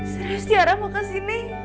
serius tiara mau kesini